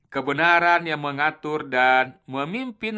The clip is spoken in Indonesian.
kebenaran yang mengatur dan memimpin